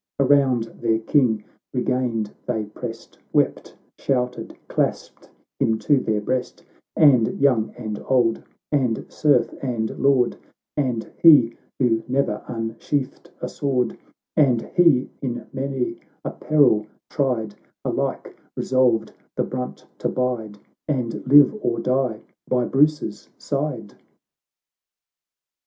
Around their King regained they pressed, Wept, shouted, clasped him to their breast, And young and old, and serf and lord, And he who ne'er unsheathed a sword, And he in many a peril tried, Alike resolved the brunt to bide, And live or die by Brace's side